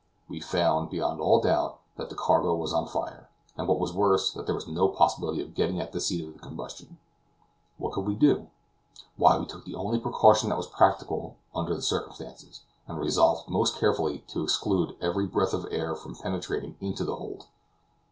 We found beyond all doubt, that the cargo was on fire, and what was worse, that there was no possibility of getting at the seat of the combustion. What could we do? Why, we took the only precaution that was practicable under the circumstances, and resolved most carefully to exclude every breath of air from penetrating into the hold.